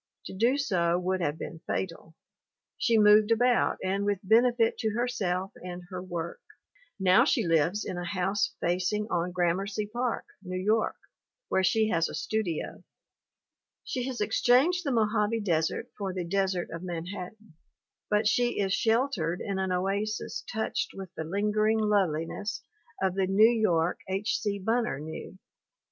To do so would have been fatal. She moved about and with benefit to herself and her work. Now she lives in a house facing on Gramercy Park, New York, where she has a studio. She has exchanged the Mojave desert for the desert of Manhattan, but she is shel tered in an oasis touched with the lingering loveli ness of the New York H. C. Bunner knew.